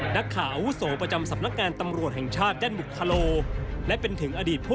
นักข่าวอาวุโสประจำสำนักงานตำรวจแห่งชาติด้านบุคโลและเป็นถึงอดีตผู้